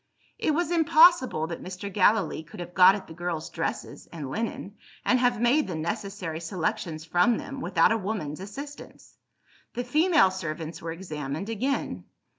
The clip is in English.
It was impossible that Mr. Gallilee could have got at the girls' dresses and linen, and have made the necessary selections from them, without a woman's assistance. The female servants were examined again.